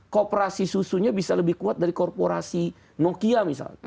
kooperasi susunya bisa lebih kuat dari korporasi nokia misalnya